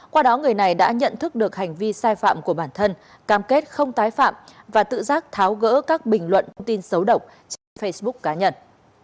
qua đó người này đã nhận thức được hành vi sai phạm của bản thân cam kết không tái phạm và tự giác tháo gỡ các bình luận tin xấu độc trên facebook cá nhân